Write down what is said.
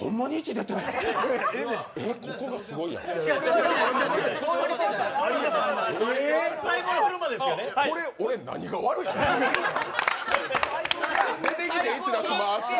出てきて１出しまーす。